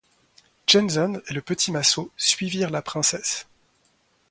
Janzen et le petit Massot suivirent la princesse.